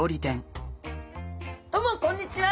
どうもこんにちは！